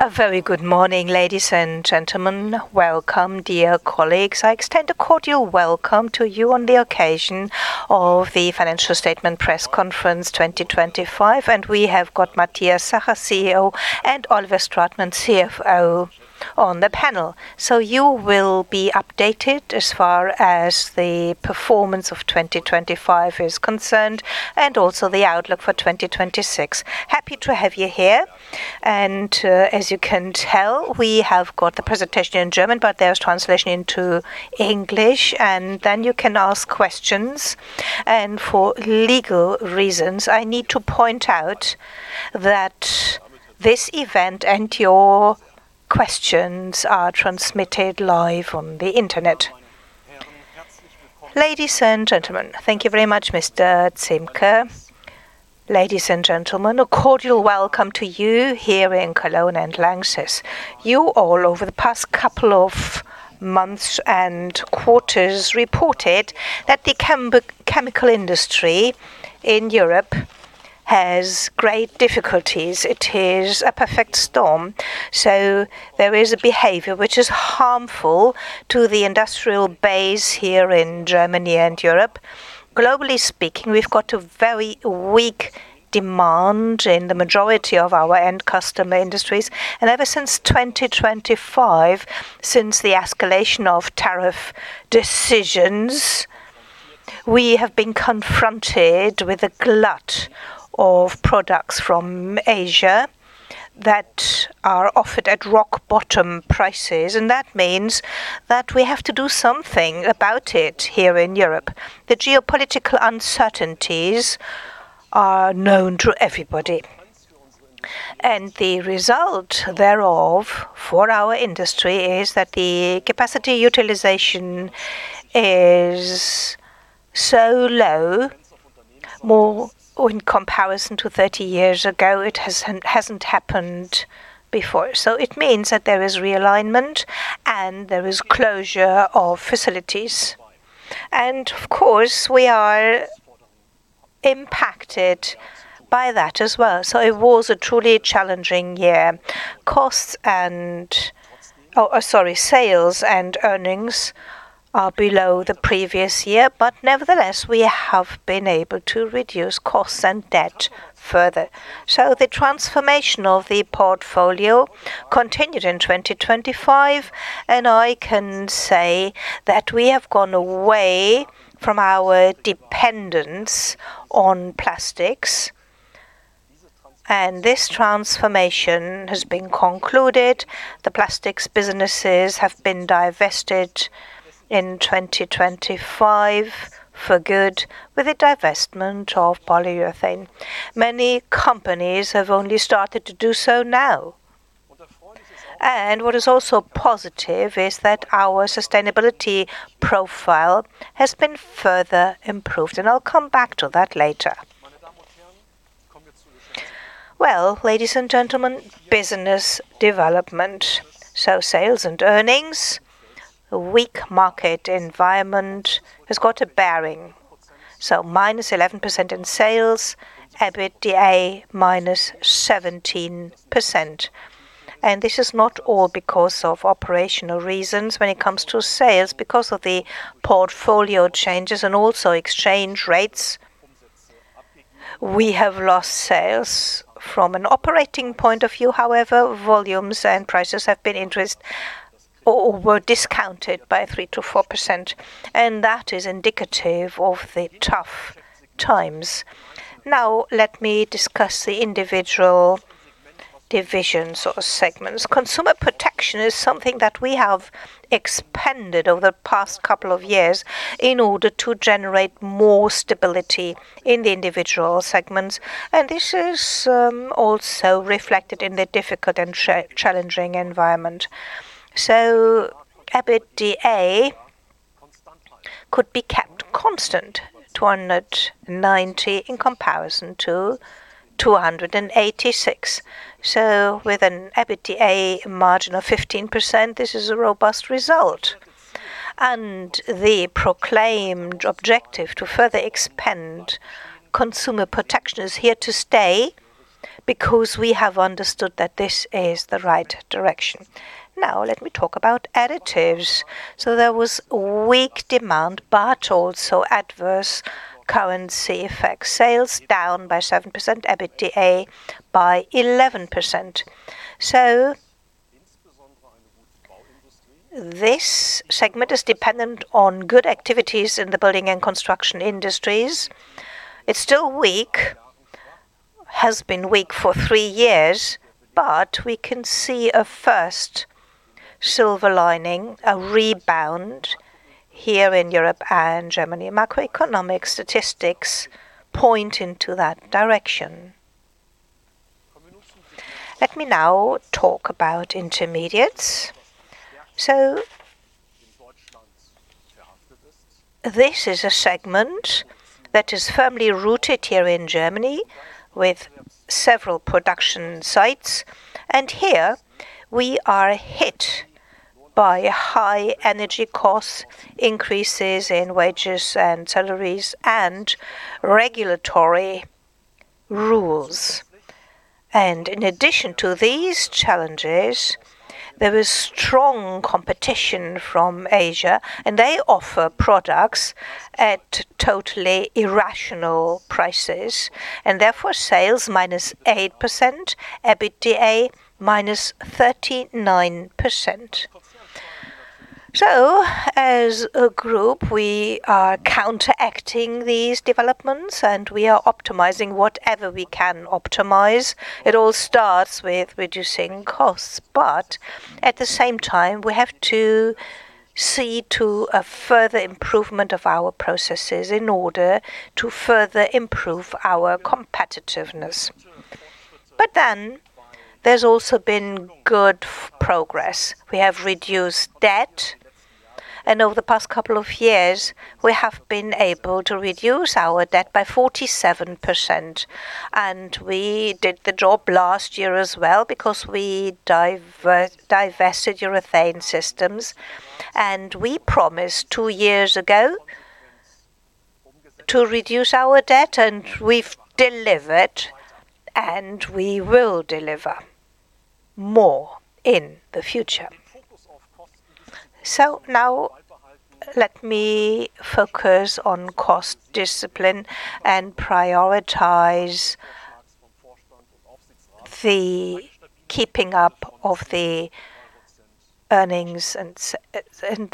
A very good morning, ladies and gentlemen. Welcome, dear colleagues. I extend a cordial welcome to you on the occasion of the financial statement press conference 2025, and we have got Matthias Zachert, CEO, and Oliver Stratmann, CFO, on the panel. You will be updated as far as the performance of 2025 is concerned, and also the outlook for 2026. Happy to have you here. As you can tell, we have got the presentation in German, but there's translation into English, and then you can ask questions. For legal reasons, I need to point out that this event and your questions are transmitted live on the Internet. Ladies and gentlemen, thank you very much, Mr. Zemke. Ladies and gentlemen, a cordial welcome to you here in Cologne and Lanxess. You all, over the past couple of months and quarters, reported that the chemical industry in Europe has great difficulties. It is a perfect storm. There is a behavior which is harmful to the industrial base here in Germany and Europe. Globally speaking, we've got a very weak demand in the majority of our end customer industries. Ever since 2025, since the escalation of tariff decisions, we have been confronted with a glut of products from Asia that are offered at rock bottom prices. That means that we have to do something about it here in Europe. The geopolitical uncertainties are known to everybody. The result thereof for our industry is that the capacity utilization is so low, more in comparison to 30 years ago, it hasn't happened before. It means that there is realignment and there is closure of facilities. Of course, we are impacted by that as well. It was a truly challenging year. Sales and earnings are below the previous year, but nevertheless, we have been able to reduce costs and debt further. The transformation of the portfolio continued in 2025, and I can say that we have gone away from our dependence on plastics, and this transformation has been concluded. The plastics businesses have been divested in 2025 for good with the divestment of polyurethane. Many companies have only started to do so now. What is also positive is that our sustainability profile has been further improved, and I'll come back to that later. Well, ladies and gentlemen, business development. Sales and earnings. Weak market environment has got a bearing. -11% in sales, EBITDA -17%. This is not all because of operational reasons when it comes to sales, because of the portfolio changes and also exchange rates. We have lost sales. From an operating point of view, however, volumes and prices have been discounted by 3%-4%, and that is indicative of the tough times. Now let me discuss the individual divisions or segments. Consumer Protection is something that we have expanded over the past couple of years in order to generate more stability in the individual segments, and this is also reflected in the difficult and challenging environment. EBITDA could be kept constant, 290 in comparison to 286. With an EBITDA margin of 15%, this is a robust result. The proclaimed objective to further expand Consumer Protection is here to stay because we have understood that this is the right direction. Now let me talk about additives. There was weak demand, but also adverse currency effects. Sales down by 7%, EBITDA by 11%. This segment is dependent on good activities in the building and construction industries. It's still weak, has been weak for three years, but we can see a first silver lining, a rebound here in Europe and Germany. Macroeconomic statistics point into that direction. Let me now talk about intermediates. This is a segment that is firmly rooted here in Germany with several production sites. Here we are hit. By high energy costs, increases in wages and salaries and regulatory rules. In addition to these challenges, there is strong competition from Asia, and they offer products at totally irrational prices and therefore sales -8%, EBITDA -39%. As a group, we are counteracting these developments and we are optimizing whatever we can optimize. It all starts with reducing costs, but at the same time we have to see to a further improvement of our processes in order to further improve our competitiveness. There's also been good progress. We have reduced debt, and over the past couple of years we have been able to reduce our debt by 47%. We did the job last year as well because we divested Urethane Systems and we promised two years ago to reduce our debt and we've delivered and we will deliver more in the future. Now let me focus on cost discipline and prioritize the keeping up of the earnings and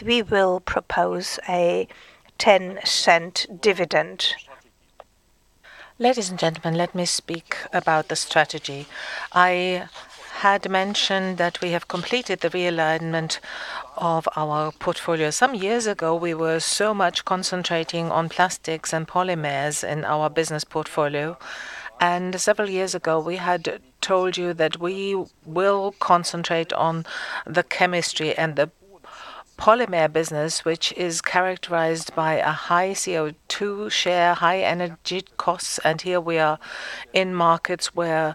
we will propose a 0.10 dividend. Ladies and gentlemen, let me speak about the strategy. I had mentioned that we have completed the realignment of our portfolio. Some years ago, we were so much concentrating on plastics and polymers in our business portfolio, and several years ago we had told you that we will concentrate on the chemistry and the polymer business, which is characterized by a high CO2 share, high energy costs and here we are in markets where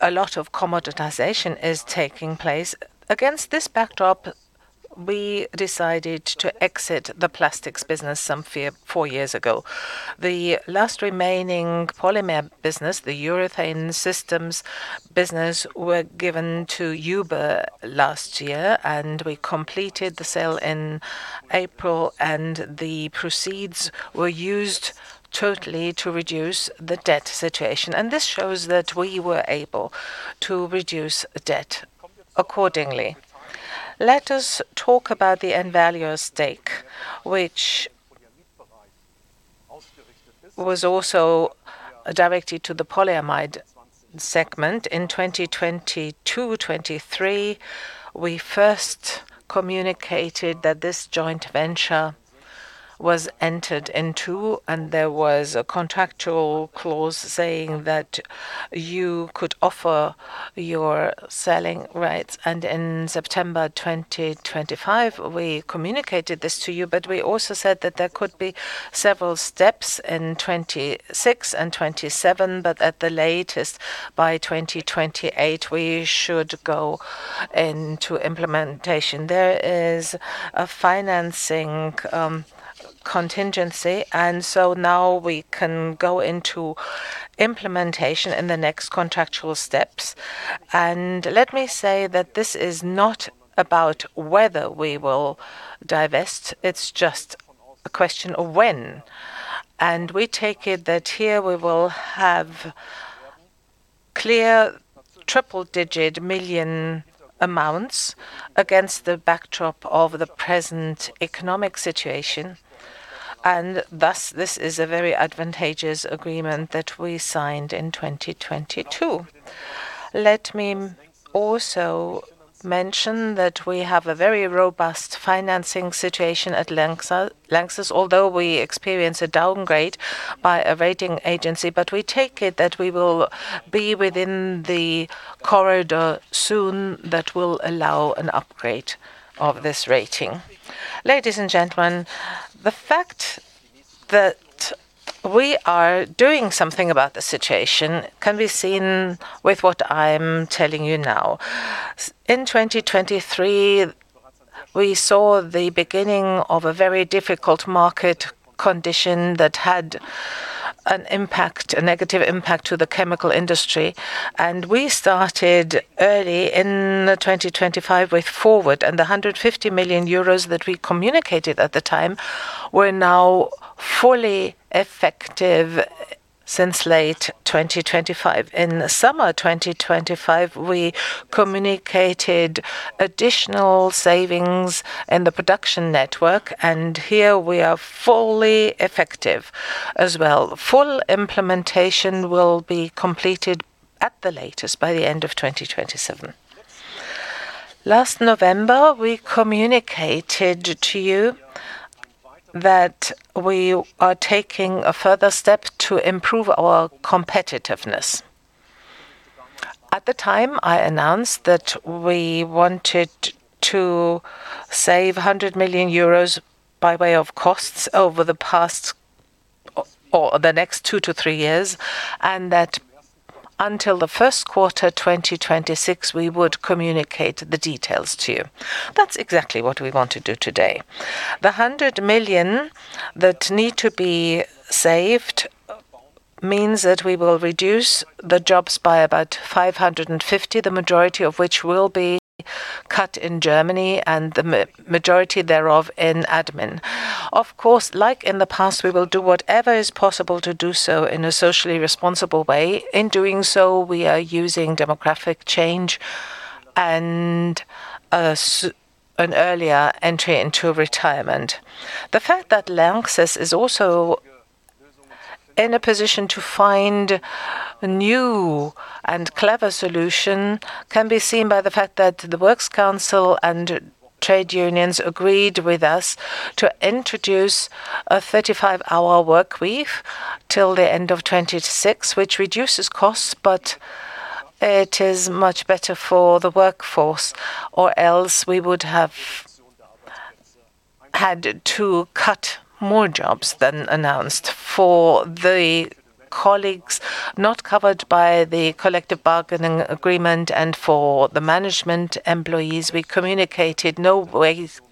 a lot of commoditization is taking place. Against this backdrop, we decided to exit the plastics business four years ago. The last remaining polymer business, the Urethane Systems business, were given to UBE last year and we completed the sale in April and the proceeds were used totally to reduce the debt situation. This shows that we were able to reduce debt accordingly. Let us talk about the Envalior stake, which was also directed to the polyamide segment. In 2022, 2023, we first communicated that this joint venture was entered into and there was a contractual clause saying that you could offer your selling rights. In September 2025 we communicated this to you, but we also said that there could be several steps in 2026 and 2027, but at the latest by 2028 we should go into implementation. There is a financing contingency and so now we can go into implementation in the next contractual steps. Let me say that this is not about whether we will divest, it's just a question of when. We take it that here we will have clear triple-digit million amounts against the backdrop of the present economic situation and thus this is a very advantageous agreement that we signed in 2022. Let me also mention that we have a very robust financing situation at Lanxess, although we experience a downgrade by a rating agency, but we take it that we will be within the corridor soon that will allow an upgrade of this rating. Ladies and gentlemen, the fact that we are doing something about the situation can be seen with what I'm telling you now. In 2023 we saw the beginning of a very difficult market condition that had an impact, a negative impact to the chemical industry. We started early in 2025 with FORWARD and the 150 million euros that we communicated at the time were now fully effective since late 2025. In summer 2025 we communicated additional savings in the production network and here we are fully effective as well. Full implementation will be completed at the latest by the end of 2027. Last November we communicated to you that we are taking a further step to improve our competitiveness. At the time I announced that we wanted to save 100 million euros by way of costs over the past or the next 2-3 years, and that until the first quarter 2026, we would communicate the details to you. That's exactly what we want to do today. 100 million that need to be saved means that we will reduce the jobs by about 550, the majority of which will be cut in Germany and the majority thereof in admin. Of course, like in the past, we will do whatever is possible to do so in a socially responsible way. In doing so, we are using demographic change and an earlier entry into retirement. The fact that Lanxess is also in a position to find new and clever solution can be seen by the fact that the Works Council and trade unions agreed with us to introduce a 35-hour work week till the end of 2026, which reduces costs, but it is much better for the workforce, or else we would have had to cut more jobs than announced. For the colleagues not covered by the collective bargaining agreement and for the management employees, we communicated no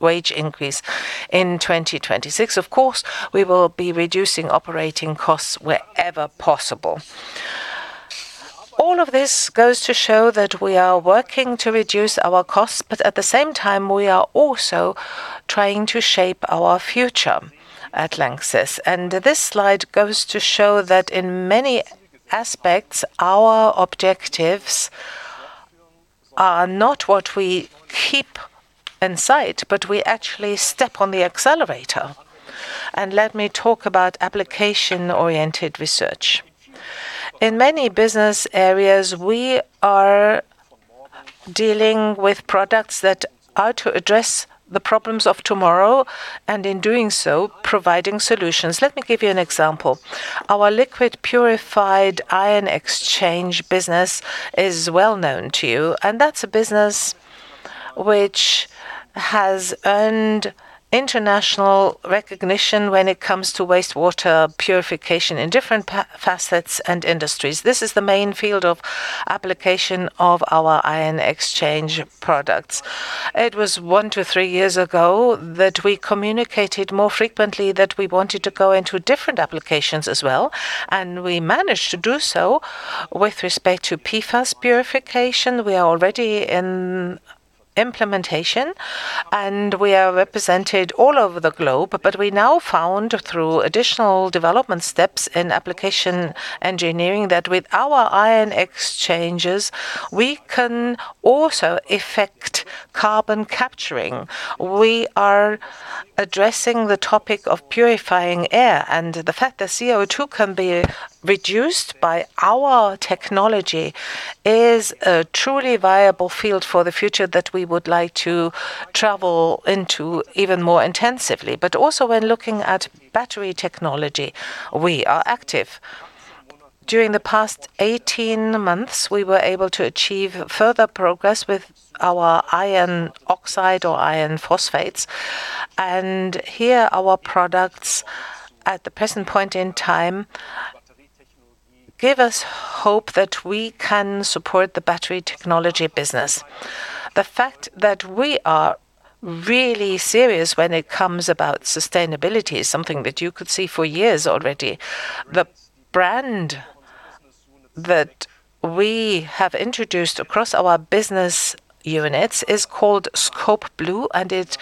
wage increase in 2026. Of course, we will be reducing operating costs wherever possible. All of this goes to show that we are working to reduce our costs, but at the same time, we are also trying to shape our future at Lanxess. This slide goes to show that in many aspects, our objectives are not what we keep in sight, but we actually step on the accelerator. Let me talk about application-oriented research. In many business areas, we are dealing with products that are to address the problems of tomorrow, and in doing so, providing solutions. Let me give you an example. Our liquid purification ion exchange business is well known to you, and that's a business which has earned international recognition when it comes to wastewater purification in different facets and industries. This is the main field of application of our ion exchange products. It was 1-3 years ago that we communicated more frequently that we wanted to go into different applications as well, and we managed to do so with respect to PFAS purification. We are already in implementation and we are represented all over the globe. We now found through additional development steps in application engineering that with our ion exchangers, we can also affect carbon capture. We are addressing the topic of purifying air, and the fact that CO2 can be reduced by our technology is a truly viable field for the future that we would like to travel into even more intensively. Also when looking at battery technology, we are active. During the past 18 months, we were able to achieve further progress with our iron oxide or iron phosphates. Here, our products at the present point in time give us hope that we can support the battery technology business. The fact that we are really serious when it comes about sustainability is something that you could see for years already. The brand that we have introduced across our business units is called Scopeblue, and it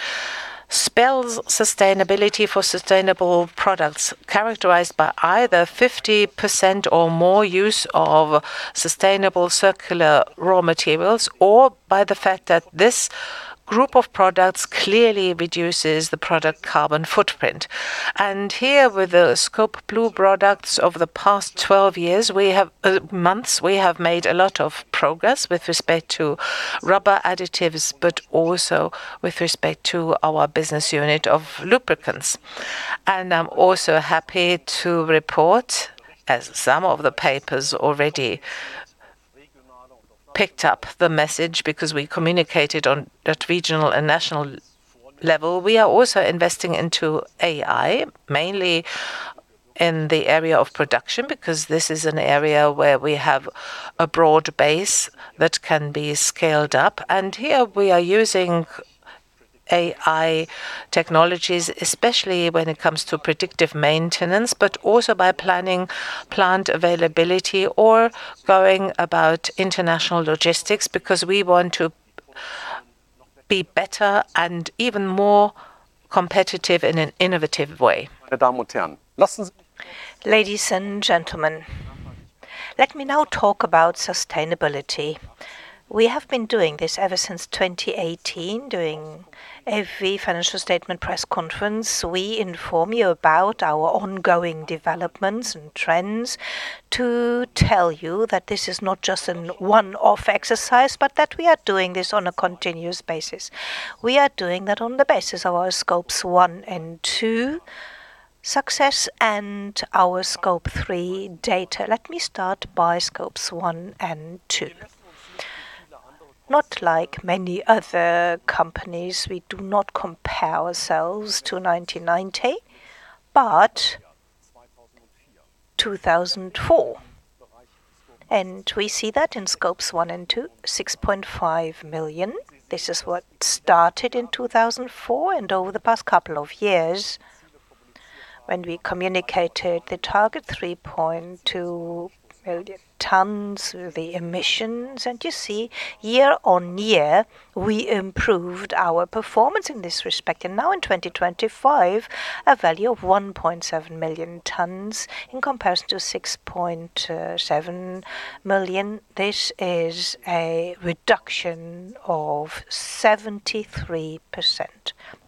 spells sustainability for sustainable products, characterized by either 50% or more use of sustainable circular raw materials, or by the fact that this group of products clearly reduces the product carbon footprint. Here, with the Scopeblue products over the past 12 months, we have made a lot of progress with respect to rubber additives, but also with respect to our business unit of lubricants. I'm also happy to report, as some of the papers already picked up the message because we communicated on at regional and national level, we are also investing into AI, mainly in the area of production, because this is an area where we have a broad base that can be scaled up. Here, we are using AI technologies, especially when it comes to predictive maintenance, but also by planning plant availability or going about international logistics because we want to be better and even more competitive in an innovative way. Ladies and gentlemen, let me now talk about sustainability. We have been doing this ever since 2018. During every financial statement press conference, we inform you about our ongoing developments and trends to tell you that this is not just a one-off exercise, but that we are doing this on a continuous basis. We are doing that on the basis of our Scope 1 and 2 success and our Scope 3 data. Let me start by Scope 1 and 2. Not like many other companies, we do not compare ourselves to 1990, but 2004. We see that in Scope 1 and 2, 6.5 million. This is what started in 2004 and over the past couple of years when we communicated the target 3.2 million tons of the emissions. You see year-on-year, we improved our performance in this respect. Now in 2025, a value of 1.7 million tons in comparison to 6.7 million, this is a reduction of 73%,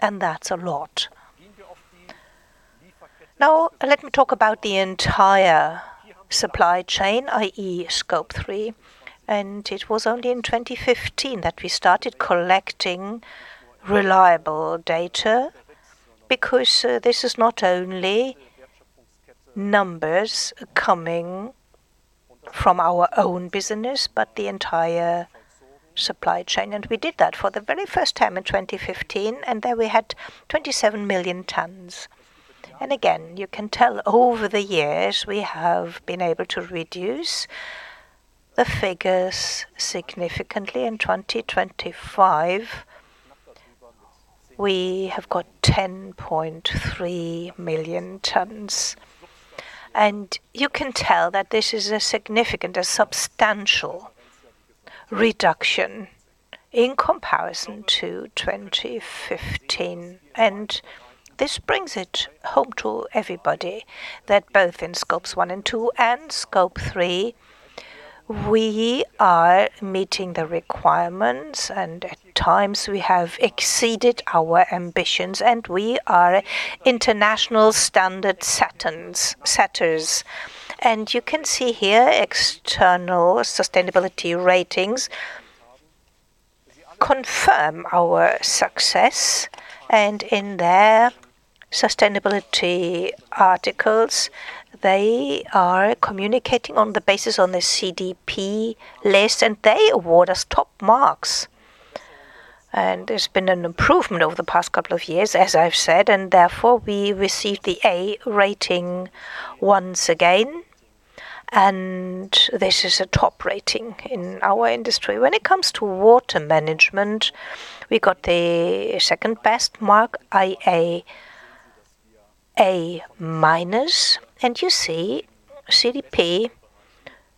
and that's a lot. Now, let me talk about the entire supply chain, i.e., Scope 3. It was only in 2015 that we started collecting reliable data, because this is not only numbers coming from our own business, but the entire supply chain. We did that for the very first time in 2015, and there we had 27 million tons. You can tell over the years we have been able to reduce the figures significantly. In 2025, we have got 10.3 million tons. You can tell that this is a significant, a substantial reduction in comparison to 2015. This brings it home to everybody that both in Scope 1 and 2 and Scope 3, we are meeting the requirements, and at times we have exceeded our ambitions, and we are international standard setters. You can see here external sustainability ratings confirm our success. In their sustainability articles, they are communicating on the basis of the CDP list, and they award us top marks. There's been an improvement over the past couple of years, as I've said, and therefore we received the A rating once again. This is a top rating in our industry. When it comes to water management, we got the second-best mark, i.e., A minus. You see CDP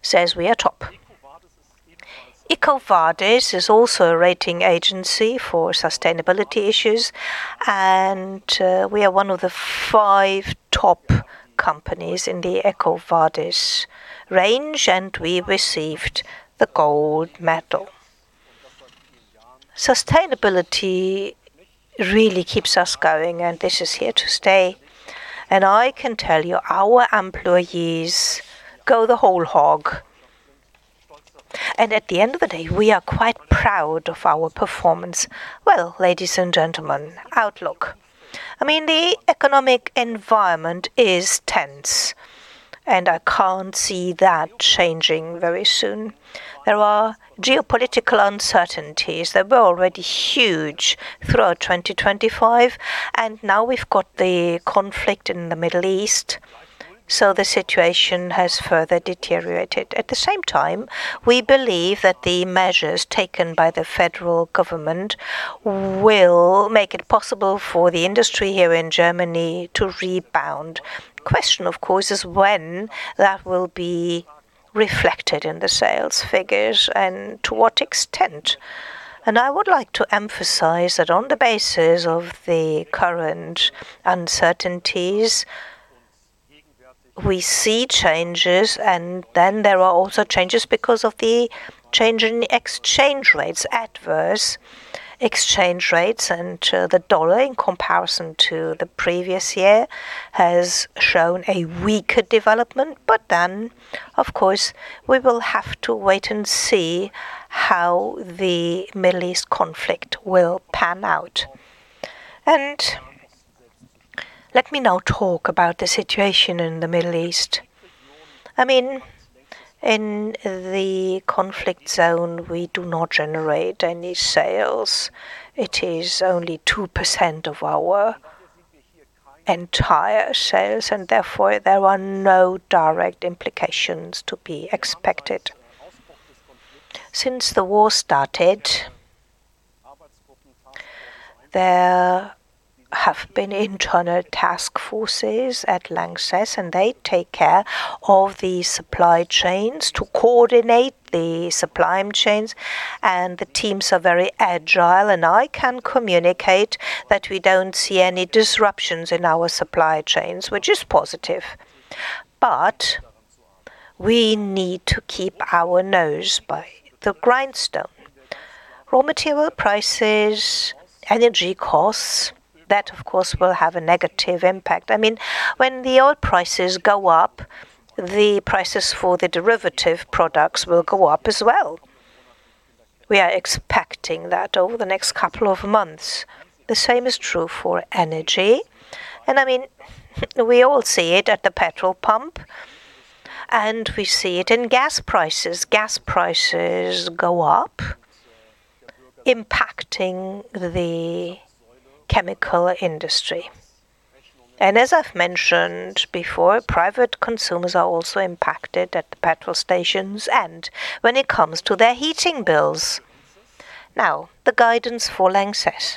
says we are top. EcoVadis is also a rating agency for sustainability issues, and we are one of the five top companies in the EcoVadis range, and we received the gold medal. Sustainability really keeps us going and this is here to stay. I can tell you, our employees go the whole hog. At the end of the day, we are quite proud of our performance. Well, ladies and gentlemen, outlook. I mean, the economic environment is tense, and I can't see that changing very soon. There are geopolitical uncertainties. They were already huge throughout 2025, and now we've got the conflict in the Middle East, so the situation has further deteriorated. At the same time, we believe that the measures taken by the federal government will make it possible for the industry here in Germany to rebound. Question, of course, is when that will be reflected in the sales figures and to what extent. I would like to emphasize that on the basis of the current uncertainties, we see changes, and then there are also changes because of the change in the exchange rates, adverse exchange rates, and the dollar in comparison to the previous year has shown a weaker development. Of course, we will have to wait and see how the Middle East conflict will pan out. Let me now talk about the situation in the Middle East. I mean, in the conflict zone, we do not generate any sales. It is only 2% of our entire sales, and therefore there are no direct implications to be expected. Since the war started, there have been internal task forces at Lanxess, and they take care of the supply chains to coordinate the supply chains, and the teams are very agile, and I can communicate that we don't see any disruptions in our supply chains, which is positive. We need to keep our nose to the grindstone. Raw material prices, energy costs, that of course, will have a negative impact. I mean, when the oil prices go up, the prices for the derivative products will go up as well. We are expecting that over the next couple of months. The same is true for energy. I mean, we all see it at the petrol pump. We see it in gas prices. Gas prices go up, impacting the chemical industry. As I've mentioned before, private consumers are also impacted at the petrol stations and when it comes to their heating bills. Now, the guidance for Lanxess.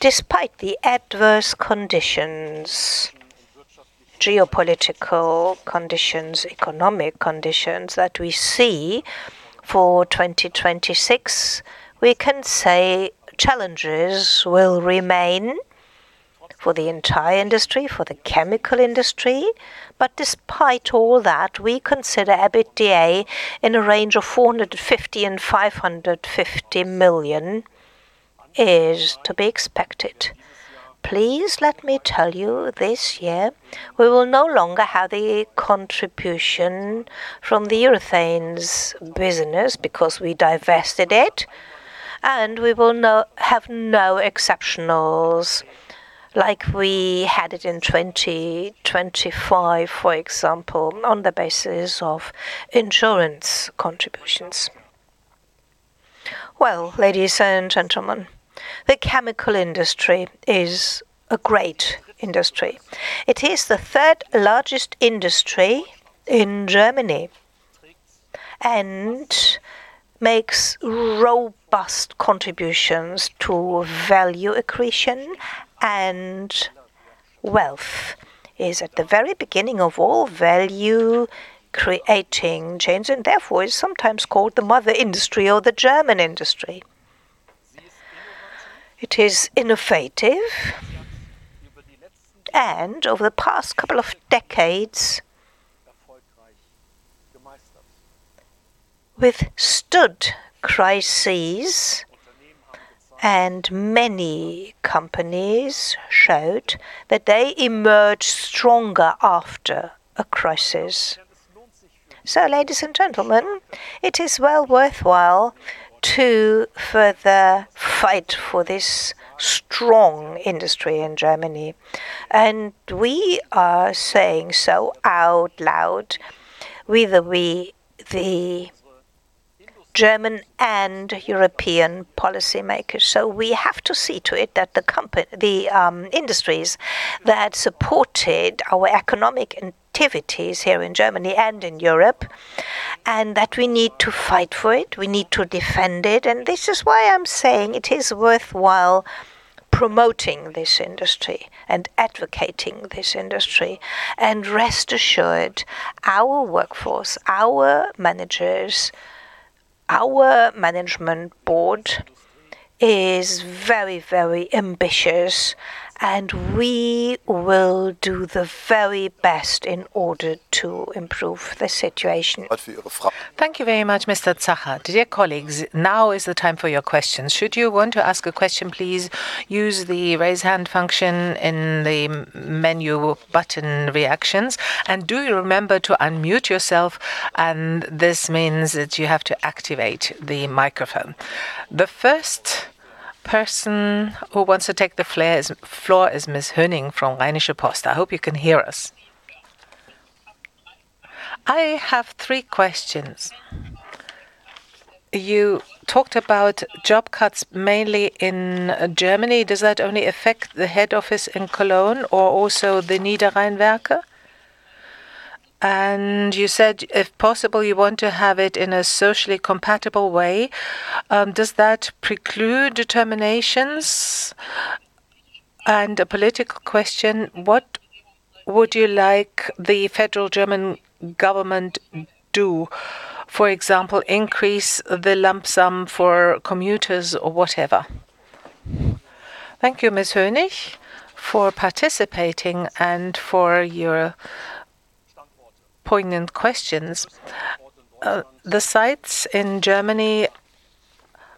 Despite the adverse conditions, geopolitical conditions, economic conditions that we see for 2026, we can say challenges will remain for the entire industry, for the chemical industry. Despite all that, we consider EBITDA in a range of 450 million-550 million is to be expected. Please let me tell you this year, we will no longer have the contribution from the urethanes business because we divested it, and we will have no exceptionals like we had it in 2025, for example, on the basis of insurance contributions. Well, ladies and gentlemen, the chemical industry is a great industry. It is the third largest industry in Germany and makes robust contributions to value accretion and wealth. It is at the very beginning of all value creating change, and therefore is sometimes called the mother industry or the German industry. It is innovative and over the past couple of decades withstood crises and many companies showed that they emerge stronger after a crisis. Ladies and gentlemen, it is well worthwhile to further fight for this strong industry in Germany. We are saying so out loud, we the German and European policy makers. We have to see to it that the industries that supported our economic activities here in Germany and in Europe, and that we need to fight for it, we need to defend it. This is why I'm saying it is worthwhile promoting this industry and advocating this industry. Rest assured, our workforce, our managers, our management board is very, very ambitious, and we will do the very best in order to improve the situation. Thank you very much, Mr. Zachert. Dear colleagues, now is the time for your questions. Should you want to ask a question, please use the raise hand function in the menu button reactions, and do remember to unmute yourself, and this means that you have to activate the microphone. The first person who wants to take the floor is Ms. Honig from Rheinische Post. I hope you can hear us. I have three questions. You talked about job cuts mainly in Germany. Does that only affect the head office in Cologne or also the Niederrhein works? You said if possible, you want to have it in a socially compatible way. Does that preclude terminations? A political question, what would you like the federal German government to do? For example, increase the lump sum for commuters or whatever. Thank you, Ms. Honig, for participating and for your poignant questions. The sites in Germany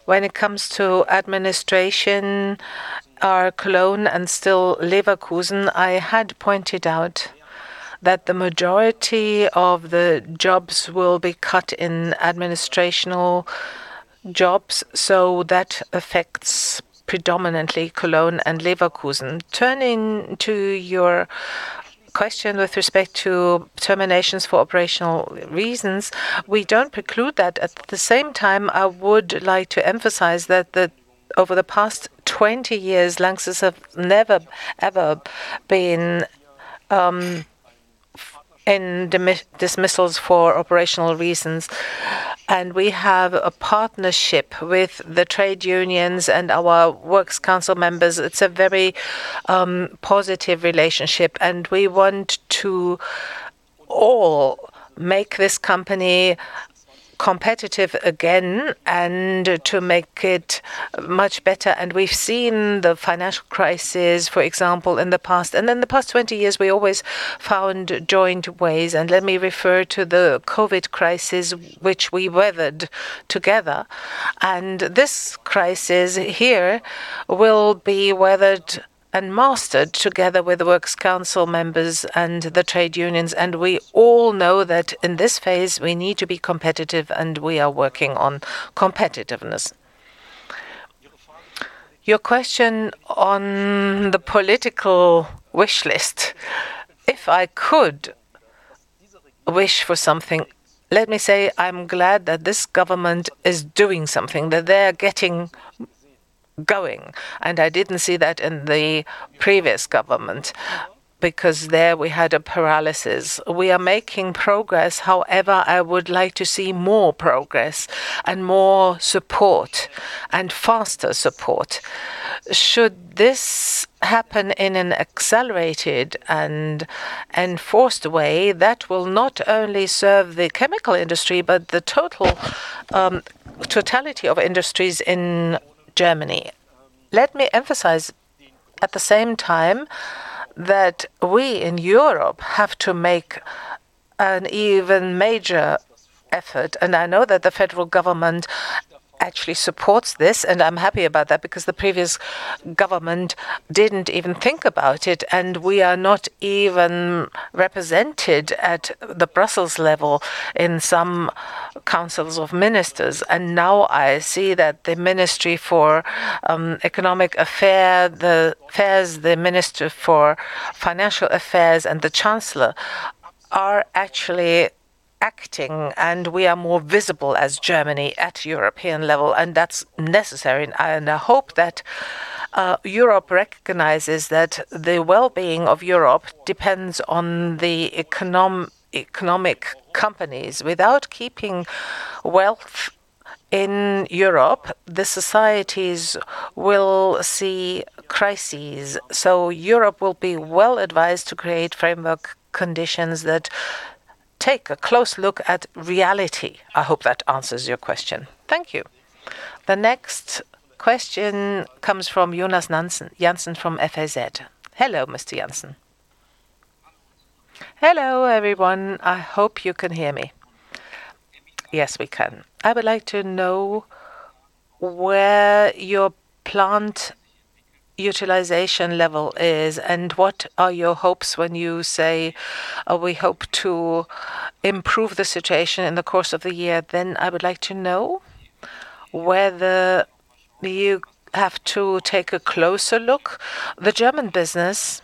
when it comes to administration are Cologne and still Leverkusen. I had pointed out that the majority of the jobs will be cut in administrative jobs, so that affects predominantly Cologne and Leverkusen. Turning to your question with respect to terminations for operational reasons, we don't preclude that. At the same time, I would like to emphasize that over the past 20 years, Lanxess has never, ever been in dismissals for operational reasons. We have a partnership with the trade unions and our works council members. It's a very positive relationship, and we want to all make this company competitive again and to make it much better. We've seen the financial crisis, for example, in the past. In the past 20 years, we always found joint ways. Let me refer to the COVID crisis, which we weathered together. This crisis here will be weathered and mastered together with the works council members and the trade unions. We all know that in this phase, we need to be competitive, and we are working on competitiveness. Your question on the political wish list. If I could wish for something, let me say I'm glad that this government is doing something, that they're getting going, and I didn't see that in the previous government because there we had a paralysis. We are making progress. However, I would like to see more progress and more support and faster support. Should this happen in an accelerated and forced way, that will not only serve the chemical industry, but the total totality of industries in Germany. Let me emphasize at the same time that we in Europe have to make an even major effort, and I know that the federal government actually supports this, and I'm happy about that because the previous government didn't even think about it, and we are not even represented at the Brussels level in some councils of ministers. I see that the Ministry for Economic Affairs, the Minister for Financial Affairs and the Chancellor are actually acting, and we are more visible as Germany at European level, and that's necessary. I hope that Europe recognizes that the wellbeing of Europe depends on the economic companies. Without keeping wealth in Europe, the societies will see crises. Europe will be well advised to create framework conditions that take a close look at reality. I hope that answers your question. Thank you. The next question comes from Jonas Jansen from FAZ. Hello, Mr. Jansen. Hello, everyone. I hope you can hear me. Yes, we can. I would like to know where your plant utilization level is and what are your hopes when you say, "we hope to improve the situation in the course of the year." Then I would like to know whether you have to take a closer look. The German business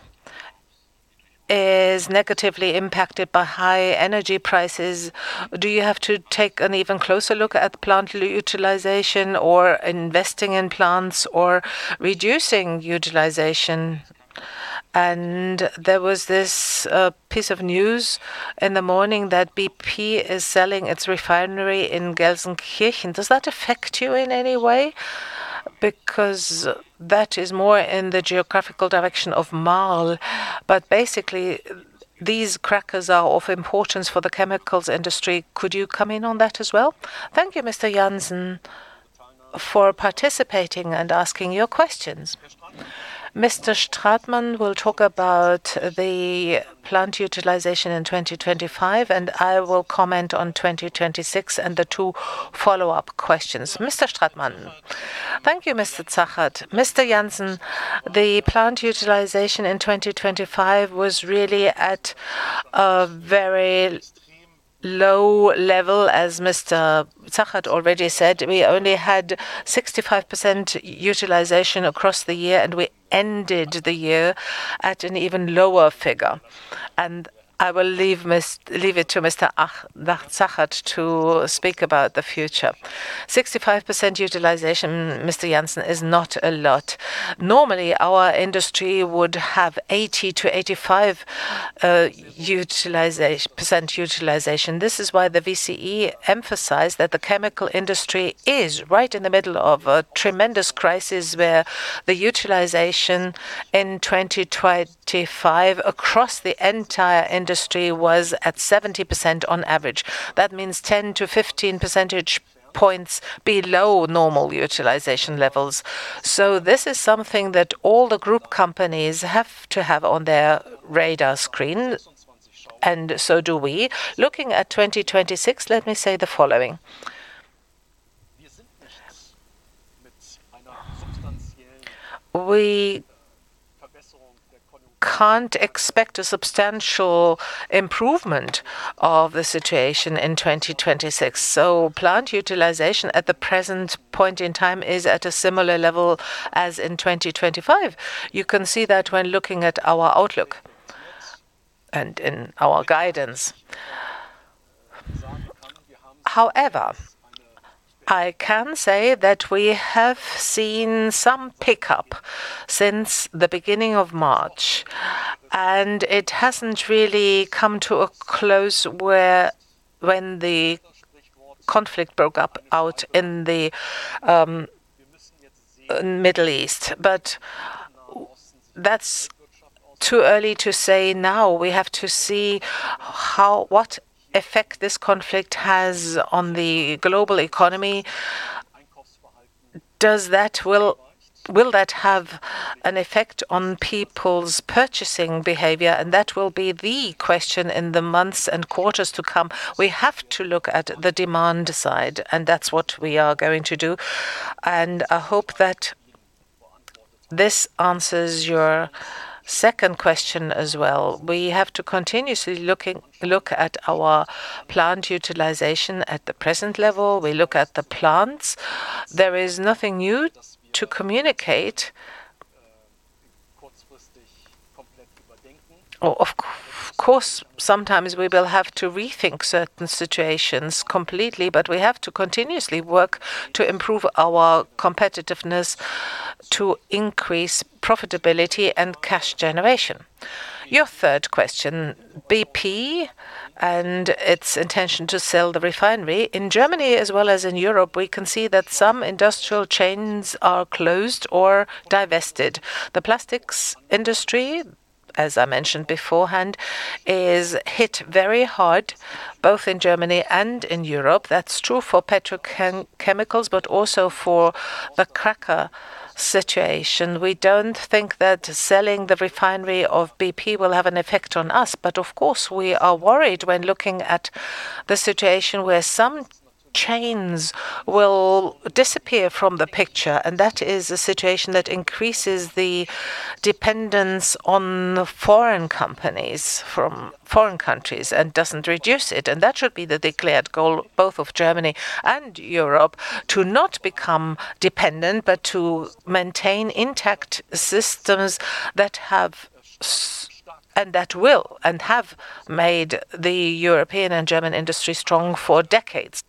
is negatively impacted by high energy prices. Do you have to take an even closer look at plant utilization or investing in plants or reducing utilization? There was this piece of news in the morning that BP is selling its refinery in Gelsenkirchen. Does that affect you in any way? Because that is more in the geographical direction of Marl, but basically these crackers are of importance for the chemicals industry. Could you come in on that as well? Thank you, Mr. Jansen, for participating and asking your questions. Mr. Stratmann will talk about the plant utilization in 2025, and I will comment on 2026 and the two follow-up questions. Mr. Stratmann. Thank you, Mr. Zachert. Mr. Jansen, the plant utilization in 2025 was really at a very low level, as Mr. Zachert already said. We only had 65% utilization across the year, and we ended the year at an even lower figure. I will leave it to Mr. Zachert to speak about the future. 65% utilization, Mr. Jansen, is not a lot. Normally, our industry would have 80%-85% utilization. This is why the VCI emphasized that the chemical industry is right in the middle of a tremendous crisis where the utilization in 2025 across the entire industry was at 70% on average. That means 10-15 percentage points below normal utilization levels. This is something that all the group companies have to have on their radar screen, and so do we. Looking at 2026, let me say the following. We can't expect a substantial improvement of the situation in 2026, so plant utilization at the present point in time is at a similar level as in 2025. You can see that when looking at our outlook and in our guidance. However, I can say that we have seen some pickup since the beginning of March, and it hasn't really come to a close when the conflict broke out in the Middle East. But that's too early to say now. We have to see how what effect this conflict has on the global economy. Will that have an effect on people's purchasing behavior? That will be the question in the months and quarters to come. We have to look at the demand side, and that's what we are going to do, and I hope that This answers your second question as well. We have to continuously look at our plant utilization at the present level. We look at the plants. There is nothing new to communicate. Of course, sometimes we will have to rethink certain situations completely, but we have to continuously work to improve our competitiveness to increase profitability and cash generation. Your third question, BP and its intention to sell the refinery. In Germany as well as in Europe, we can see that some industrial chains are closed or divested. The plastics industry, as I mentioned beforehand, is hit very hard, both in Germany and in Europe. That's true for petrochemicals, but also for the cracker situation. We don't think that selling the refinery of BP will have an effect on us. Of course, we are worried when looking at the situation where some chains will disappear from the picture, and that is a situation that increases the dependence on foreign companies from foreign countries and doesn't reduce it. That should be the declared goal, both of Germany and Europe, to not become dependent, but to maintain intact systems that will and have made the European and German industry strong for decades.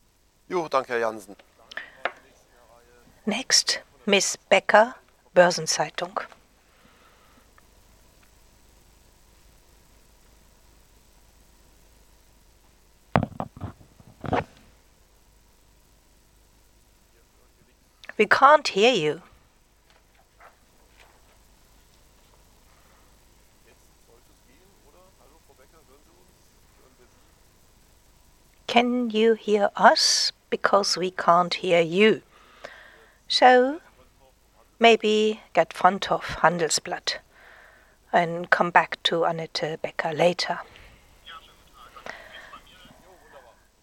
Next, Ms. Annette Becker, Börsen-Zeitung. We can't hear you. Can you hear us? Because we can't hear you. So maybe get Vondorf, Handelsblatt, and come back to Annette Becker later.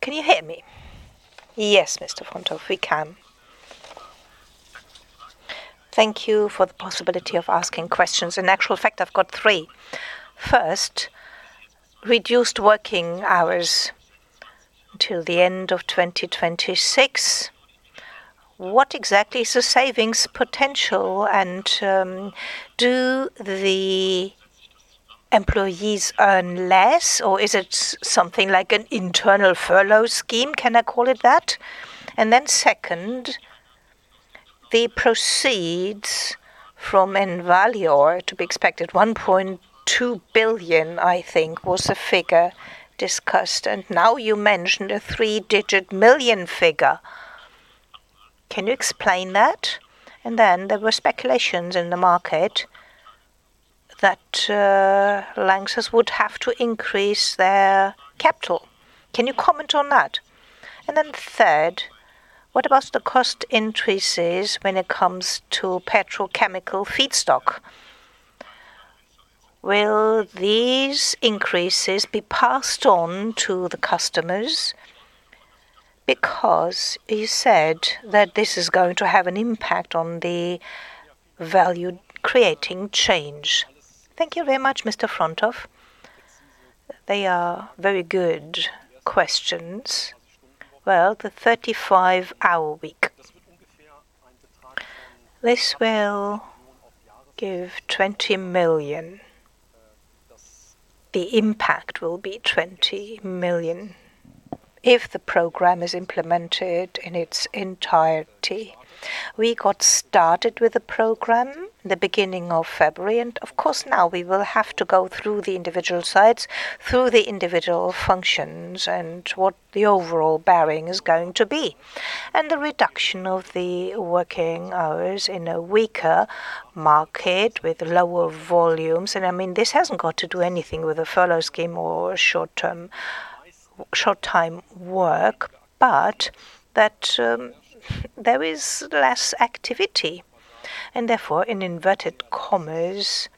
Can you hear me? Yes, Mr. Vondorf, we can. Thank you for the possibility of asking questions. In actual fact, I've got three. First, reduced working hours till the end of 2026. What exactly is the savings potential and, do the employees earn less, or is it something like an internal furlough scheme? Can I call it that? Second, the proceeds from Envalior to be expected 1.2 billion, I think, was the figure discussed. Now you mentioned a three-digit million figure. Can you explain that? Then there were speculations in the market that, Lanxess would have to increase their capital. Can you comment on that? Third, what about the cost increases when it comes to petrochemical feedstock? Will these increases be passed on to the customers? Because you said that this is going to have an impact on the value chain. Thank you very much, Mr. Vondorf. They are very good questions. Well, the 35-hour week. This will give 20 million. The impact will be 20 million if the program is implemented in its entirety. We got started with the program the beginning of February, and of course, now we will have to go through the individual sites, through the individual functions and what the overall bearing is going to be. The reduction of the working hours in a weaker market with lower volumes. I mean, this hasn't got to do anything with a furlough scheme or short-term, short-time work, but that there is less activity. Therefore, in inverted commas,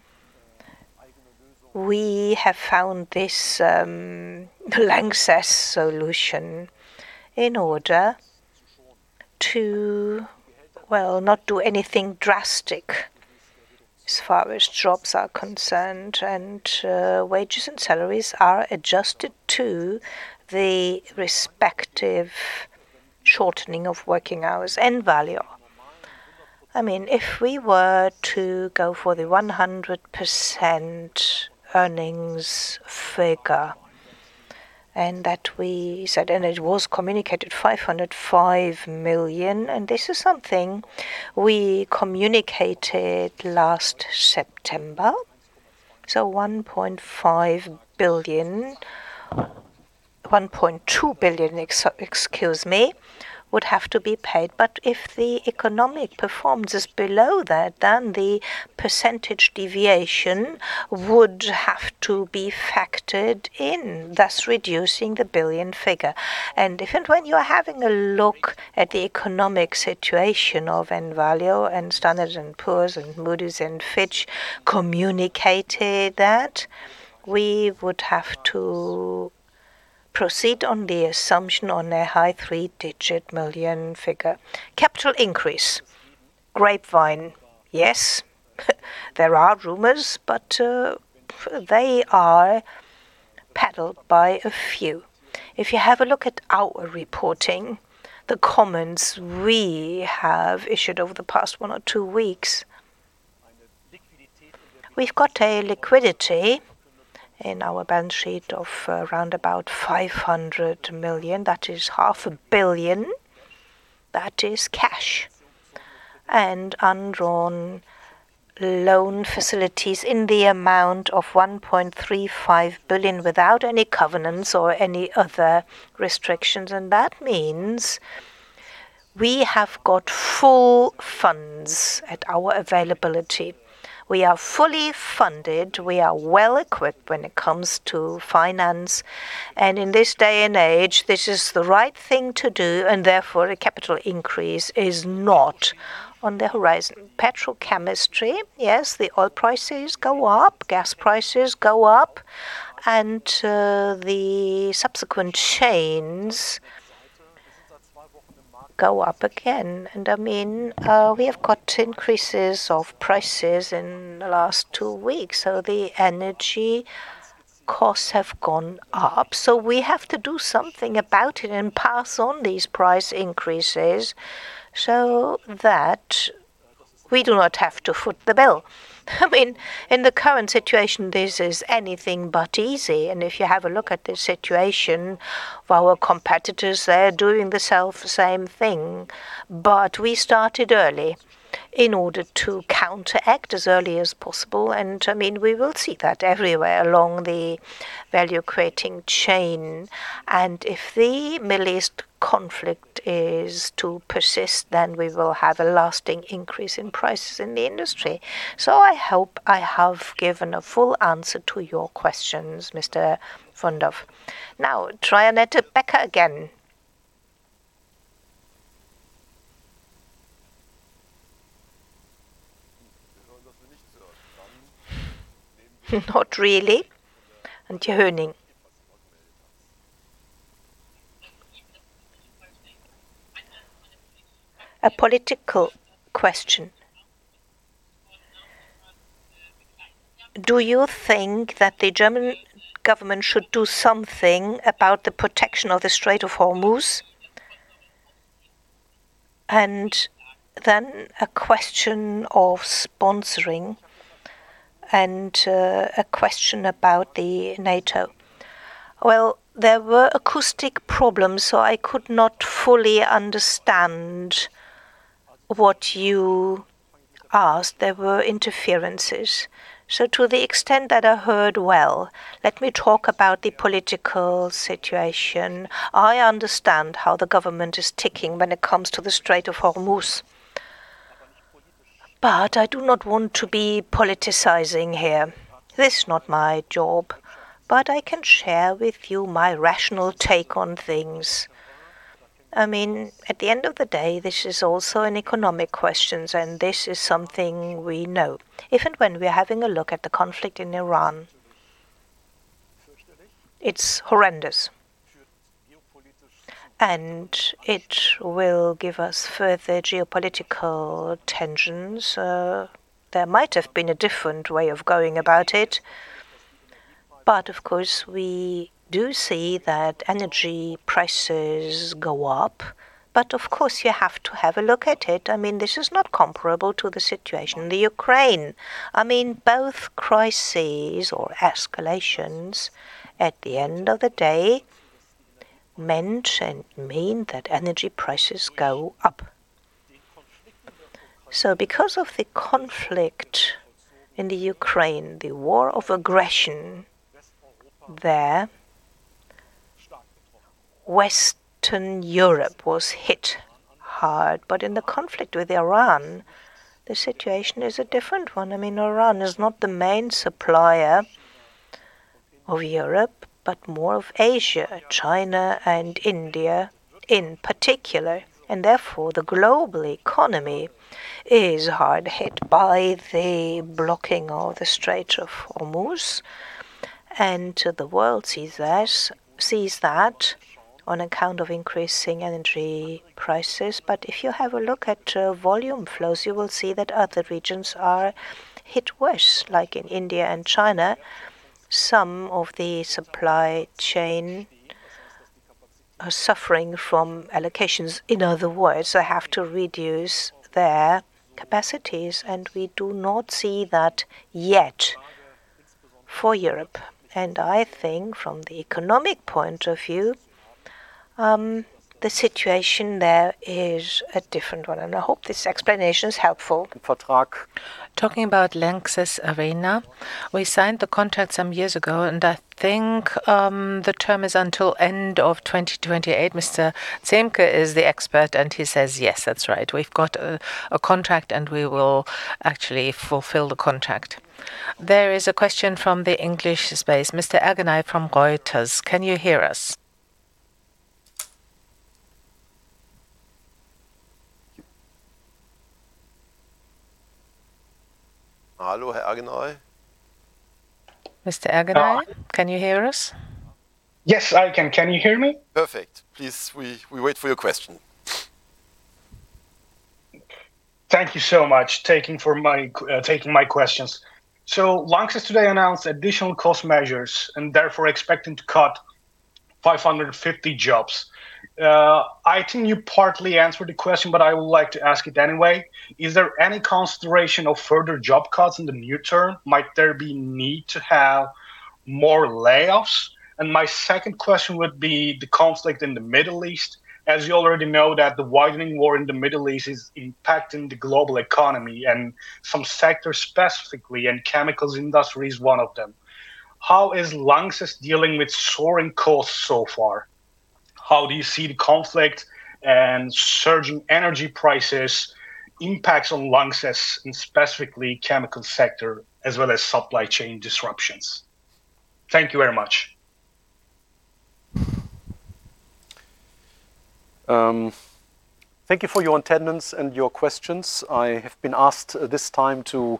we have found this Lanxess solution in order to, well, not do anything drastic as far as jobs are concerned, and wages and salaries are adjusted to the respective shortening of working hours and value. I mean, if we were to go for the 100% earnings figure and that we said, and it was communicated 505 million, and this is something we communicated last September. One point two billion, excuse me, would have to be paid. If the economic performance is below that, then the percentage deviation would have to be factored in, thus reducing the billion figure. Even when you're having a look at the economic situation of Envalior and Standard & Poor's and Moody's and Fitch communicated that, we would have to proceed on the assumption on a high three-digit million figure. Capital increase. Grapevine. Yes, there are rumors, but they are peddled by a few. If you have a look at our reporting, the comments we have issued over the past one or two weeks, we've got a liquidity in our balance sheet of around about 500 million. That is EUR half a billion. That is cash and undrawn loan facilities in the amount of 1.35 billion without any covenants or any other restrictions. That means we have got full funds at our availability. We are fully funded. We are well-equipped when it comes to finance. In this day and age, this is the right thing to do, and therefore, a capital increase is not on the horizon. Petrochemistry, yes, the oil prices go up, gas prices go up, and, the subsequent chains go up again. I mean, we have got increases of prices in the last two weeks, so the energy costs have gone up. We have to do something about it and pass on these price increases so that we do not have to foot the bill. I mean, in the current situation, this is anything but easy. If you have a look at the situation of our competitors, they are doing the self same thing. We started early in order to counteract as early as possible. I mean, we will see that everywhere along the value-creating chain. If the Middle East conflict is to persist, then we will have a lasting increase in prices in the industry. I hope I have given a full answer to your questions, Mr. Vondorf. Now, Annette Becker again. Not really. Johning. A political question. Do you think that the German government should do something about the protection of the Strait of Hormuz? A question of sponsoring and a question about NATO. Well, there were acoustic problems, so I could not fully understand what you asked. There were interferences. To the extent that I heard well, let me talk about the political situation. I understand how the government is ticking when it comes to the Strait of Hormuz, but I do not want to be politicizing here. This is not my job, but I can share with you my rational take on things. I mean, at the end of the day, this is also an economic questions, and this is something we know. If and when we are having a look at the conflict in Iran, it's horrendous, and it will give us further geopolitical tensions. There might have been a different way of going about it, but of course, we do see that energy prices go up. Of course, you have to have a look at it. I mean, this is not comparable to the situation in the Ukraine. I mean, both crises or escalations at the end of the day meant and mean that energy prices go up. Because of the conflict in the Ukraine, the war of aggression there, Western Europe was hit hard. In the conflict with Iran, the situation is a different one. I mean, Iran is not the main supplier of Europe, but more of Asia, China and India in particular. Therefore, the global economy is hard hit by the blocking of the Strait of Hormuz. The world sees that on account of increasing energy prices. If you have a look at volume flows, you will see that other regions are hit worse, like in India and China. Some of the supply chain are suffering from allocations. In other words, they have to reduce their capacities, and we do not see that yet for Europe. I think from the economic point of view, the situation there is a different one. I hope this explanation is helpful. Talking about LANXESS arena, we signed the contract some years ago, and I think the term is until end of 2028. Mr. Zemke is the expert, and he says, yes, that's right. We've got a contract, and we will actually fulfill the contract. There is a question from the English space. Mr. Erginay from Reuters, can you hear us? Mr. Erginay, can you hear us? Yes, I can. Can you hear me? Perfect. Please, we wait for your question. Thank you so much for taking my questions. Lanxess today announced additional cost measures and therefore expecting to cut 550 jobs. I think you partly answered the question, but I would like to ask it anyway. Is there any consideration of further job cuts in the near term? Might there be need to have more layoffs? My second question would be the conflict in the Middle East. As you already know that the widening war in the Middle East is impacting the global economy and some sectors specifically, and chemical industry is one of them. How is Lanxess dealing with soaring costs so far? How do you see the conflict and surging energy prices impacts on Lanxess in specifically chemical sector as well as supply chain disruptions? Thank you very much. Thank you for your attendance and your questions. I have been asked this time to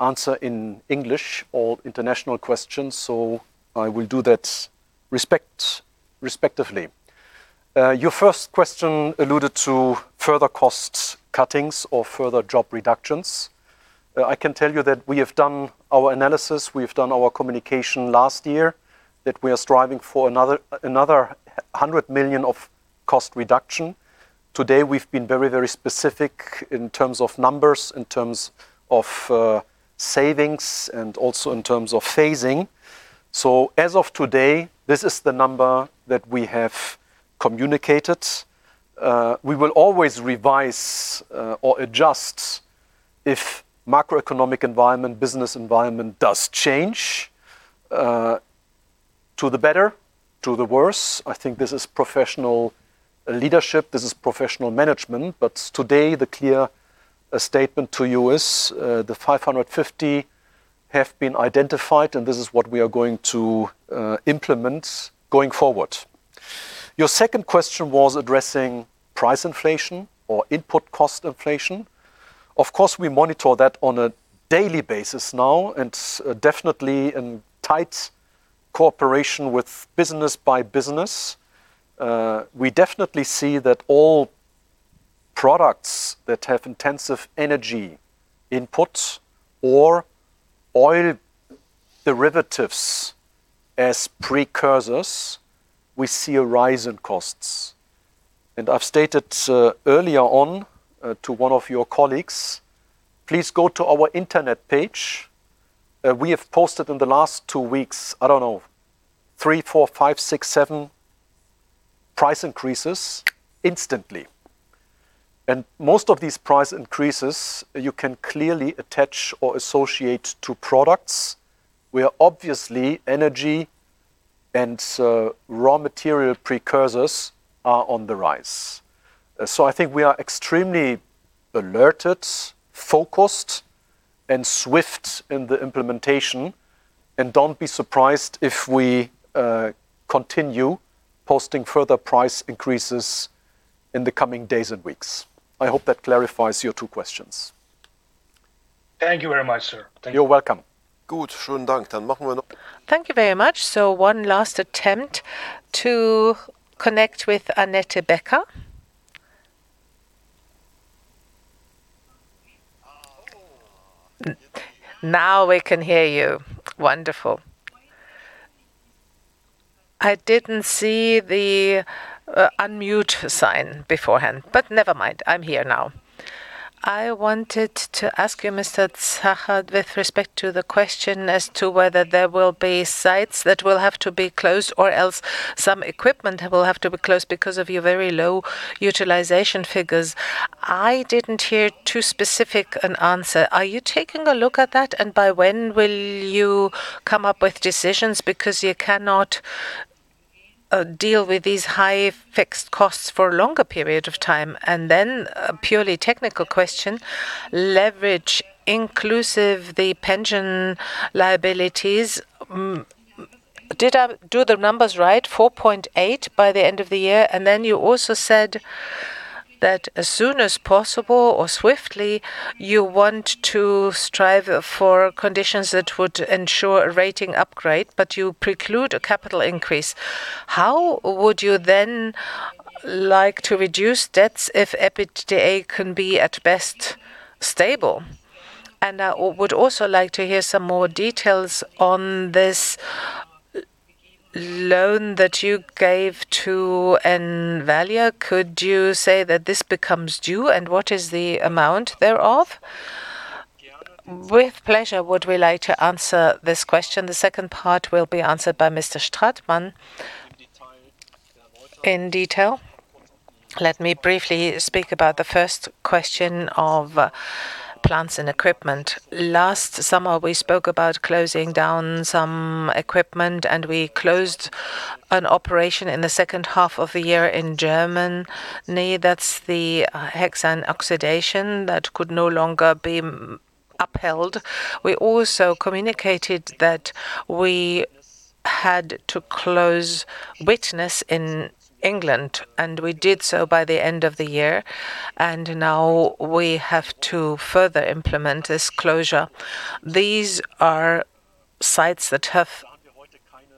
answer in English all international questions, so I will do that respectively. Your first question alluded to further cost cuttings or further job reductions. I can tell you that we have done our analysis, we've done our communication last year, that we are striving for another 100 million of cost reduction. Today, we've been very specific in terms of numbers, in terms of savings, and also in terms of phasing. As of today, this is the number that we have communicated. We will always revise or adjust if macroeconomic environment, business environment does change to the better, to the worse. I think this is professional leadership, this is professional management. Today, the clear statement to you is, the 550 have been identified and this is what we are going to implement going forward. Your second question was addressing price inflation or input cost inflation. Of course, we monitor that on a daily basis now and definitely in tight cooperation with business by business. We definitely see that all products that have intensive energy input or oil derivatives as precursors, we see a rise in costs. I've stated earlier on to one of your colleagues, please go to our internet page. We have posted in the last two weeks, I don't know, three, four, five, six, seven price increases instantly. Most of these price increases, you can clearly attach or associate to products where obviously energy and raw material precursors are on the rise. I think we are extremely alert, focused, and swift in the implementation, and don't be surprised if we continue posting further price increases in the coming days and weeks. I hope that clarifies your two questions. Thank you very much, sir. Thank you. You're welcome. Thank you very much. One last attempt to connect with Annette Becker. Now we can hear you. Wonderful. I didn't see the unmute sign beforehand, but never mind. I'm here now. I wanted to ask you, Mr. Zachert, with respect to the question as to whether there will be sites that will have to be closed or else some equipment will have to be closed because of your very low utilization figures. I didn't hear too specific an answer. Are you taking a look at that? By when will you come up with decisions? Because you cannot deal with these high fixed costs for a longer period of time. Then a purely technical question, leverage including the pension liabilities. Did I do the numbers right, 4.8 by the end of the year? Then you also said that as soon as possible or swiftly, you want to strive for conditions that would ensure a rating upgrade, but you preclude a capital increase. How would you then like to reduce debts if EBITDA can be at best stable? I would also like to hear some more details on this loan that you gave to Envalior. Could you say that this becomes due, and what is the amount thereof? With pleasure would we like to answer this question. The second part will be answered by Mr. Stratmann. In detail, let me briefly speak about the first question of plants and equipment. Last summer, we spoke about closing down some equipment, and we closed an operation in the second half of the year in Germany. That's the cyclohexane oxidation that could no longer be upheld. We also communicated that we. Had to close Widnes in England, and we did so by the end of the year, and now we have to further implement this closure. These are sites that have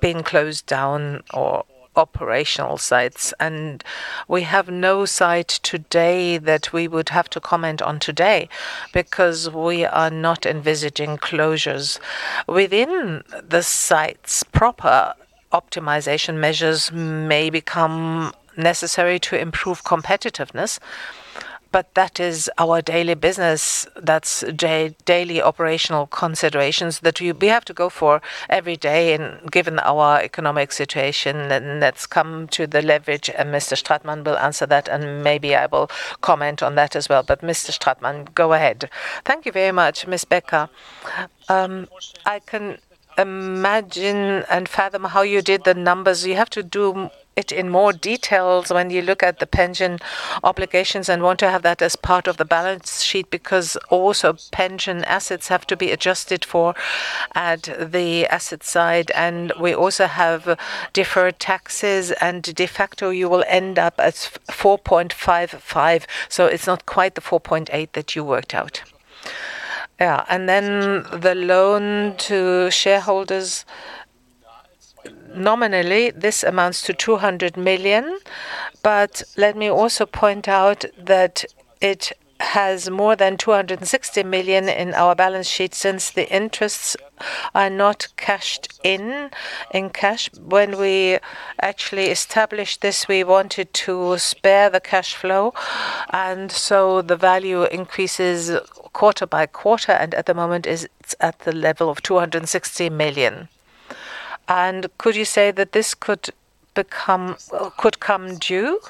been closed down or operational sites, and we have no site today that we would have to comment on today because we are not envisaging closures. Within the sites proper, optimization measures may become necessary to improve competitiveness, but that is our daily business. That's daily operational considerations that we have to go for every day and given our economic situation. Let's come to the leverage, and Mr. Stratmann will answer that, and maybe I will comment on that as well. Mr. Stratmann, go ahead. Thank you very much, Ms. Becker. I can imagine and fathom how you did the numbers. You have to do it in more details when you look at the pension obligations and want to have that as part of the balance sheet, because also pension assets have to be adjusted for at the asset side, and we also have deferred taxes. De facto, you will end up at 4.55, so it's not quite the 4.8 that you worked out. Yeah. Then the loan to shareholders, nominally this amounts to 200 million. Let me also point out that it has more than 260 million in our balance sheet since the interests are not cashed in cash. When we actually established this, we wanted to spare the cash flow, and so the value increases quarter by quarter, and at the moment it's at the level of 260 million. Could you say that this could come due?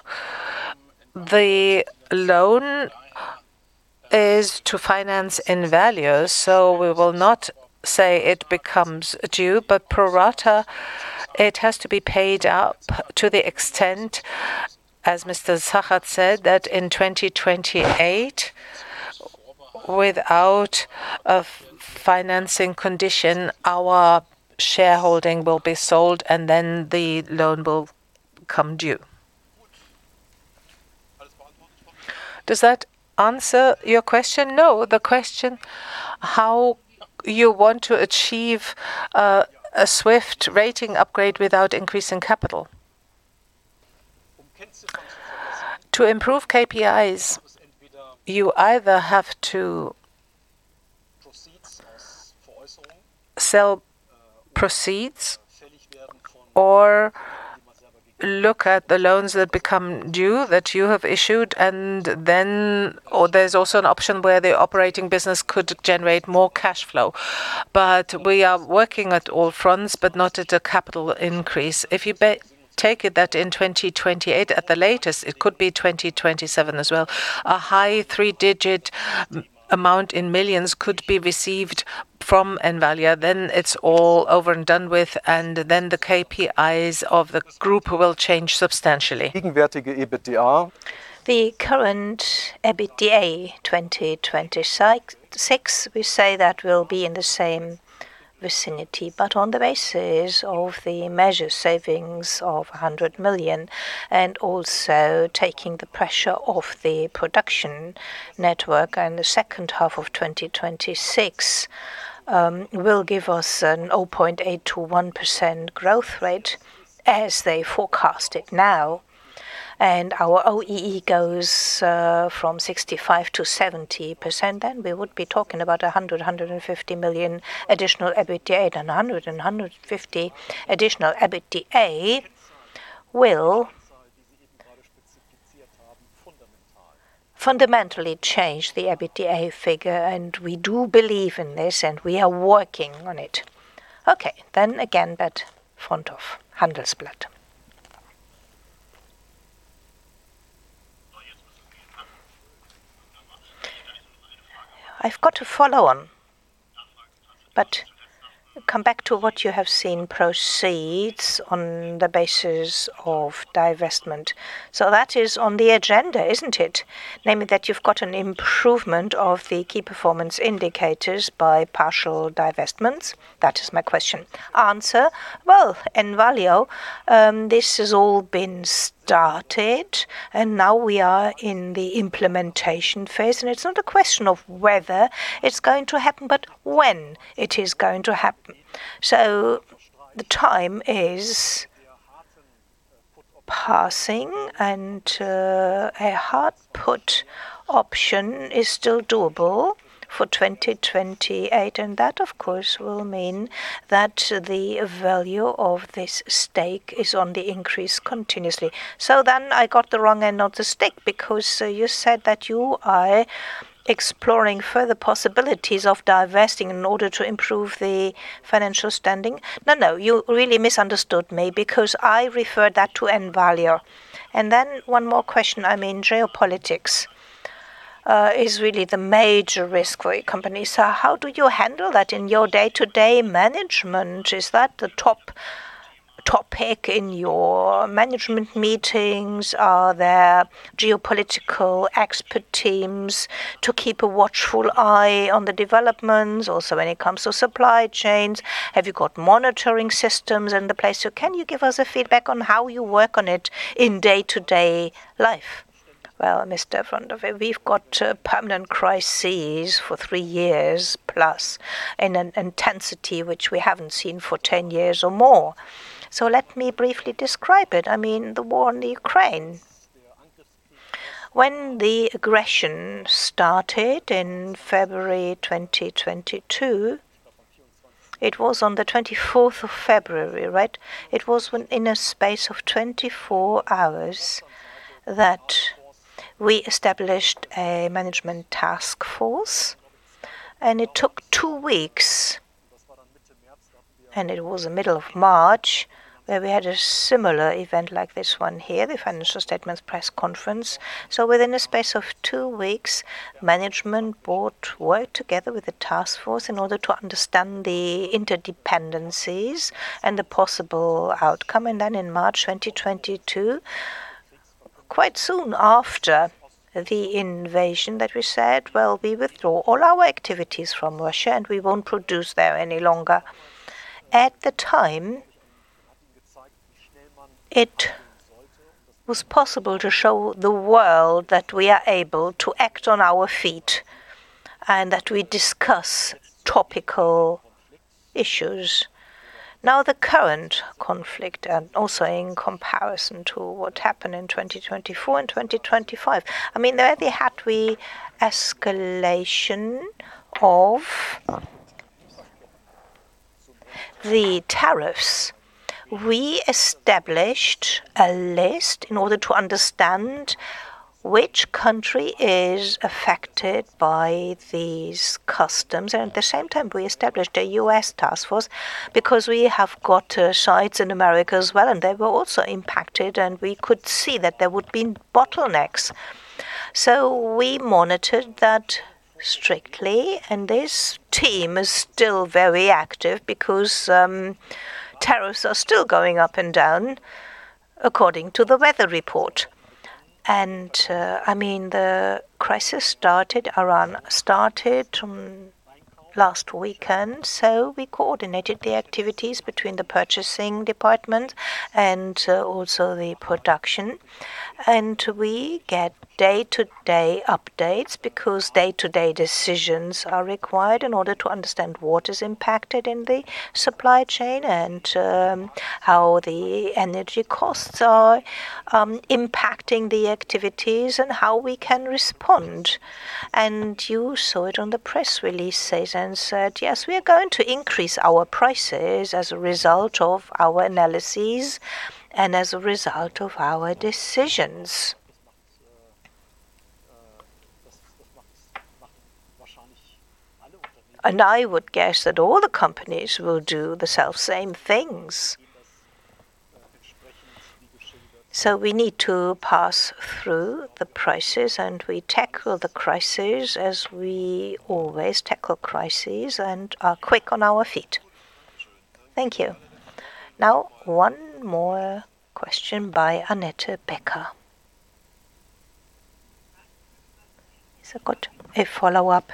The loan is to finance the investment, so we will not say it becomes due, but pro rata it has to be paid up to the extent, as Mr. Zachert said, that in 2028, without a financing condition, our shareholding will be sold and then the loan will come due. Does that answer your question? No. The question, how you want to achieve a swift rating upgrade without increasing capital? To improve KPIs, you either have to sell proceeds or look at the loans that become due that you have issued, and then there's also an option where the operating business could generate more cash flow. We are working on all fronts, but not at a capital increase. If you take it that in 2028 at the latest, it could be 2027 as well, a high three-digit amount in millions could be received from Envalior, then it's all over and done with, and then the KPIs of the group will change substantially. The current EBITDA 2026, we say that will be in the same vicinity, but on the basis of the measure savings of 100 million and also taking the pressure off the production network in the second half of 2026, will give us a 0.8%-1% growth rate as they forecast it now. Our OEE goes from 65%-70%, then we would be talking about 150 million additional EBITDA. 150 million additional EBITDA will fundamentally change the EBITDA figure, and we do believe in this, and we are working on it. Okay. Again, Bert Vondorf, Handelsblatt. I've got a follow on. Come back to what you have seen proceeds on the basis of divestment. That is on the agenda, isn't it? Namely that you've got an improvement of the key performance indicators by partial divestments. That is my question. Answer. Well, Envalior, this has all been started, and now we are in the implementation phase. It's not a question of whether it's going to happen, but when it is going to happen. The time is passing, and a hard put option is still doable for 2028, and that of course will mean that the value of this stake is on the increase continuously. Then I got the wrong end of the stick because you said that you are exploring further possibilities of divesting in order to improve the financial standing. No, no, you really misunderstood me because I referred that to Envalior. Then one more question. I mean, geopolitics is really the major risk for a company. How do you handle that in your day-to-day management? Is that the top topic in your management meetings? Are there geopolitical expert teams to keep a watchful eye on the developments? Also, when it comes to supply chains, have you got monitoring systems in the place? Can you give us a feedback on how you work on it in day-to-day life? Well, Mr. Vondorf, we've got permanent crises for three years plus in an intensity which we haven't seen for ten years or more. Let me briefly describe it. I mean, the war in Ukraine. When the aggression started in February 2022, it was on the twenty-fourth of February, right? It was when in a space of 24 hours that we established a management task force, and it took 2 weeks, and it was the middle of March, where we had a similar event like this one here, the financial statements press conference. Within a space of two weeks, management board worked together with the task force in order to understand the interdependencies and the possible outcome. Then in March 2022, quite soon after the invasion, that we said, "Well, we withdraw all our activities from Russia, and we won't produce there any longer." At the time, it was possible to show the world that we are able to act on our feet and that we discuss topical issues. Now, the current conflict and also in comparison to what happened in 2024 and 2025, I mean, there they had an escalation of the tariffs. We established a list in order to understand which country is affected by these customs. At the same time, we established a U.S. task force because we have got sites in America as well, and they were also impacted, and we could see that there would be bottlenecks. We monitored that strictly, and this team is still very active because tariffs are still going up and down according to the weather report. I mean, the crisis started from last weekend. We coordinated the activities between the purchasing department and also the production. We get day-to-day updates because day-to-day decisions are required in order to understand what is impacted in the supply chain and how the energy costs are impacting the activities and how we can respond. You saw it on the press release said, "Yes, we are going to increase our prices as a result of our analyses and as a result of our decisions." I would guess that all the companies will do the self same things. We need to pass through the prices, and we tackle the crisis as we always tackle crises and are quick on our feet. Thank you. Now, one more question by Annette Becker. Got a follow-up.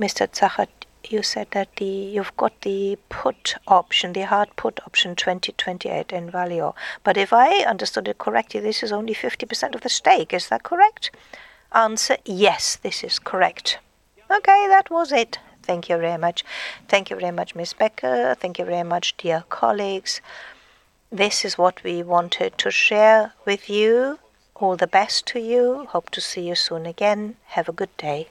Mr. Zachert, you said you've got the put option, the hard put option 2028 in value. But if I understood it correctly, this is only 50% of the stake. Is that correct? Answer, yes, this is correct. Okay, that was it. Thank you very much. Thank you very much, Ms. Becker. Thank you very much, dear colleagues. This is what we wanted to share with you. All the best to you. Hope to see you soon again. Have a good day.